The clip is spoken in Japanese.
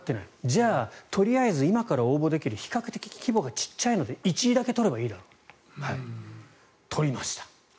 じゃあ、とりあえず今から応募できる比較的規模がちっちゃいので１位だけ取ればいいだろうと。取りました。